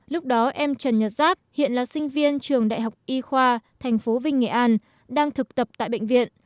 lúc đó em trần nhật giáp hiện là sinh viên trường đại học y khoa tp vinh nghệ an đang thực tập tại bệnh viện